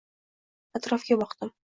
Atrofga boqdim.